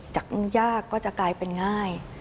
ยากก็จะกลายเป็นง่าย